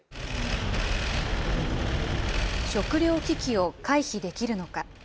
食料危機を回避できるのか。